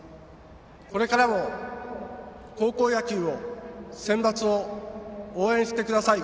これからも高校野球をセンバツを応援してください。